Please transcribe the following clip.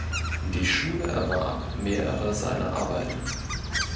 Die Schule erwarb mehrere seiner Arbeiten.